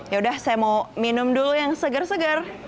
ya udah saya mau minum dulu yang segar segar